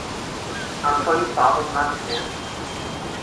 Antônio Paulo do Nascimento